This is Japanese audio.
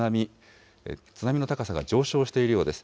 津波の高さが上昇しているようです。